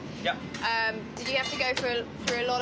ああ。